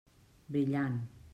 Brillant.